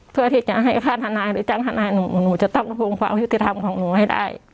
เพื่อที่จะให้ค่าทนายหรือจ้างทนายหนูหนูจะต้องระทวงความยุติธรรมของหนูให้ได้